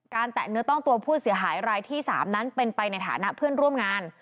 แตะเนื้อต้องตัวผู้เสียหายรายที่๓นั้นเป็นไปในฐานะเพื่อนร่วมงาน